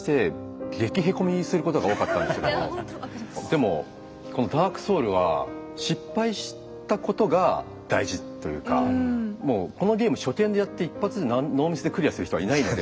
でもこの「ＤＡＲＫＳＯＵＬＳ」は失敗したことが大事というかもうこのゲーム初見でやって一発でノーミスでクリアする人はいないので。